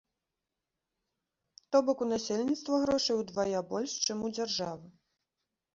То бок, у насельніцтва грошай удвая больш, чым у дзяржавы.